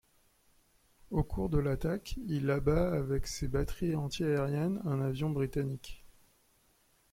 Au cours de l'attaque, il abat avec ses batteries antiaériennes un avion britannique.